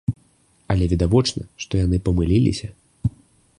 Але відавочна, што яны памыліліся.